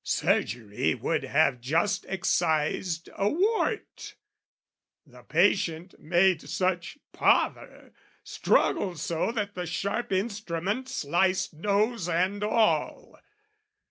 Surgery would have just excised a wart; The patient made such pother, struggled so That the sharp instrument sliced nose and all.